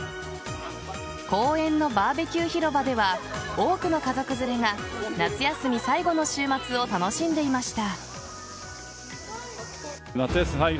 公園のバーベキュー広場では多くの家族連れが夏休み最後の週末を楽しんでいました。